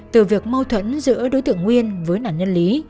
từ việc mâu thuẫn giữa đối tượng nguyên với nạn nhân lý